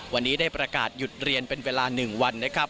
วันนี้ได้ประกาศหยุดเรียนเป็นเวลา๑วันนะครับ